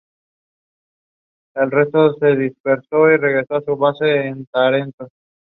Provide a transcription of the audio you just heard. Actualmente existen veintinueve estados federados y siete territorios de la unión.